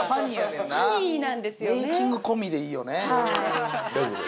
メイキング込みでいいよね大丈夫？